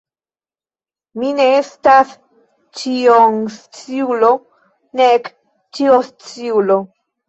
Mi ne estas ĉionsciulo, nek ĉiosciulo.